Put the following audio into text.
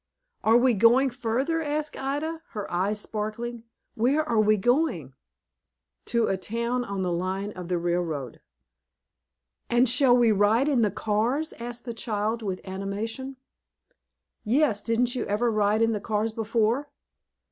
"Are we going further?" asked Ida, her eyes sparkling. "Where are we going?" "To a town on the line of the railroad." "And shall we ride in the cars?" asked the child, with animation. "Yes, didn't you ever ride in the cars before?"